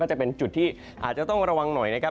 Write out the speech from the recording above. จะเป็นจุดที่อาจจะต้องระวังหน่อยนะครับ